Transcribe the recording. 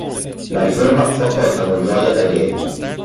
La riforma fu accolta con gioia dai neri.